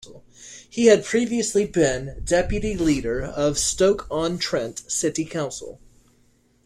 He had previously been deputy leader of Stoke-on-Trent City Council.